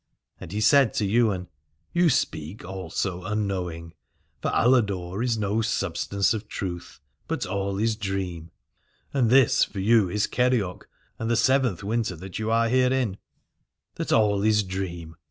And he said to Ywain : You speak also unknowing, for in Aladore is no substance of truth, but all is dream. And this for you is Kerioc, and the seventh winter that you are herein : but I tell you that all is dream.